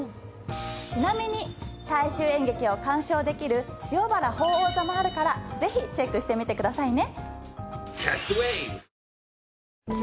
ちなみに大衆演劇を鑑賞できる塩原鳳凰座もあるからぜひチェックしてみてくださいね。